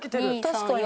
確かに。